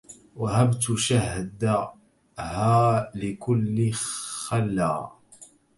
وهبت شهدها لكل خلى